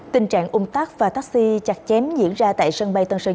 tình trạng ung tắc và taxi chặt chém diễn ra tại sân bay tân sơn